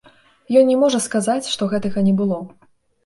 Ён не можа сказаць, што гэтага не было.